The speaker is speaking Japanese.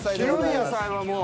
「白い野菜」はもう。